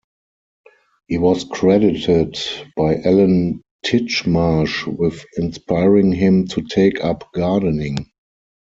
He was credited by Alan Titchmarsh with inspiring him to take up gardening.